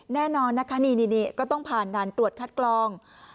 แน่นอนนะคะนี่ก็ต้องผ่านด่านตรวจคัดกรอง